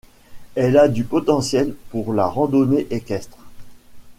Elle a du potentiel pour la randonnée équestre.